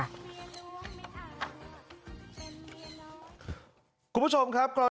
คุณผู้ชมครับ